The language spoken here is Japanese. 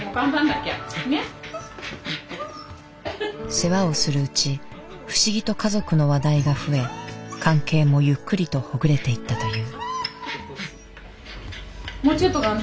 世話をするうち不思議と家族の話題が増え関係もゆっくりとほぐれていったという。